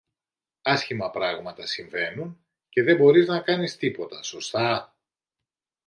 Άσχημα πράγματα συμβαίνουν, και δε μπορείς να κάνεις τίποτα, σωστά;